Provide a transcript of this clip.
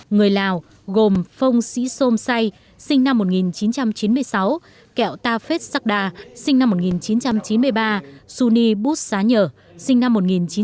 người lào gồm phong sĩ sôm say sinh năm một nghìn chín trăm chín mươi sáu kẹo ta phết sắc đà sinh năm một nghìn chín trăm chín mươi ba suni bút xá nhở sinh năm một nghìn chín trăm tám mươi chín